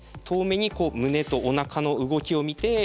遠目に胸とお腹の動きを見て。